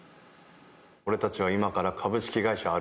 俺たちは今から株式会社ＲＣ。